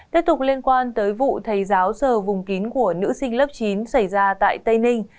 tiếp tục liên quan tới vụ thầy giáo sờ vùng kín của nữ sinh lớp chín xảy ra tại tây ninh